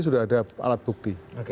sudah ada alat bukti